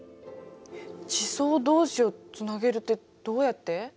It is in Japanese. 地層同士をつなげるってどうやって？